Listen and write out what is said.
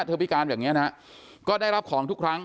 พิการแบบนี้นะฮะก็ได้รับของทุกครั้ง